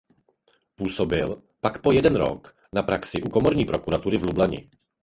Působil pak po jeden rok na praxi u komorní prokuratury v Lublani.